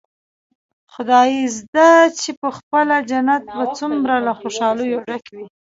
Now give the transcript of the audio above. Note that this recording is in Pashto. خدايزده چې پخپله جنت به څومره له خوشاليو ډک وي.